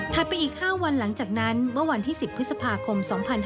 ถัดไปอีกห้าวันหลังจากนั้นวันที่สิบพฤษภาคม๒๕๕๘